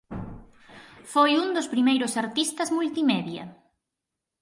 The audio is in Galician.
Foi un dos primeiros artistas multimedia.